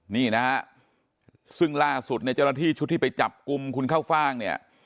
นี่นะฮะซึ่งล่าสุดเนี่ยเจ้าหน้าที่ชุดที่ไปจับกลุ่มคุณเข้าฟ่างเนี่ย